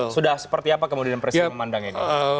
sudah seperti apa kemudian presiden memandang ini